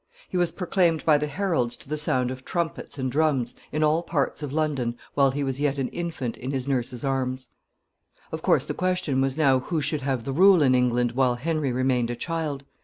He was proclaimed by the heralds to the sound of trumpets and drums, in all parts of London, while he was yet an infant in his nurse's arms. [Sidenote: His uncles.] Of course the question was now who should have the rule in England while Henry remained a child.